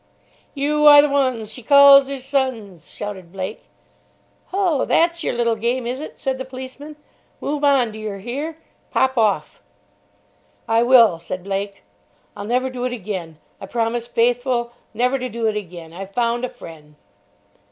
Yew are the wuns She calls 'er sons— shouted Blake. "Ho, that's yer little game, is it?" said the policeman. "Move on, d'yer hear? Pop off." "I will," said Blake. "I'll never do it again. I promise faithful never to do it again. I've found a fren'."